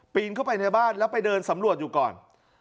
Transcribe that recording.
เข้าไปในบ้านแล้วไปเดินสำรวจอยู่ก่อน